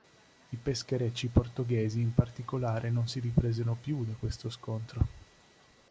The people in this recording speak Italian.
I pescherecci portoghesi in particolare non si ripresero più da questo scontro.